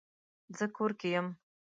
زه کور کې یم